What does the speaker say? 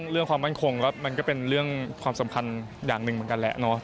เรื่องความมั่นคงมันก็เป็นเรื่องความสำคัญอย่างหนึ่งเหมือนกัน